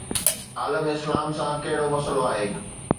عالم اسلام سان ڪهڙو مسئلو آهي؟